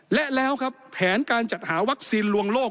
และแล้วครับแผนการจัดหาวัคซีนลวงโลก